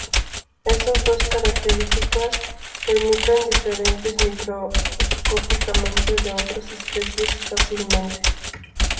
Esas dos características permiten diferenciarlos microscópicamente de otras especies fácilmente.